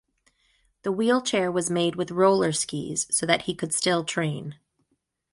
The wheelchair was made with rollerskis, so that he could still train.